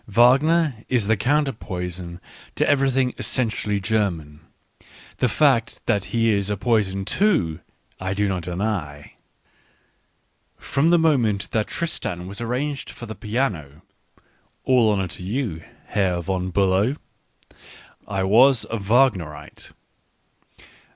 Wagner is the counter poison to everything essentially German — the fact that he is a poison too, I do not deny. From the moment that Tristan was arranged for the piano — all honour to you, Herr von Biilow !— I was a Wagnerite.